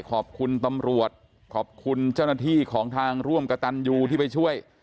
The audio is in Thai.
ขอบคุณตำรวจขอบคุณเจ้าหน้าที่ของทางร่วมกระตันยูที่ไปช่วย